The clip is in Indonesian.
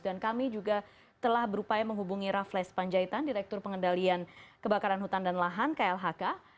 dan kami juga telah berupaya menghubungi rafleis panjaitan direktur pengendalian kebakaran hutan dan lahan klhk